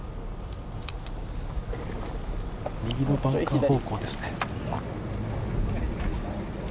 右のバンカー方向ですね。